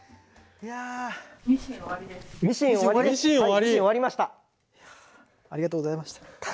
いやありがとうございました。